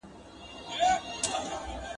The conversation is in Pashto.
بده ورځ کله کله وي.